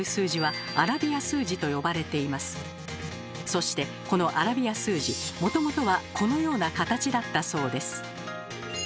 そしてこのアラビア数字もともとはこのような形だったそうです。